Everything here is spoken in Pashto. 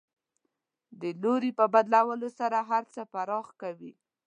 د لوري په بدلولو سره هر څه پراخ کوي.